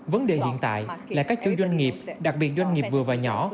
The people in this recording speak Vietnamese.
vấn đề hiện tại là các chủ doanh nghiệp đặc biệt doanh nghiệp vừa và nhỏ